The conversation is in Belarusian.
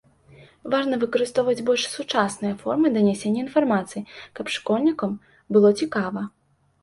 Важна выкарыстоўваць больш сучасныя формы данясення інфармацыі, каб школьнікам было цікава.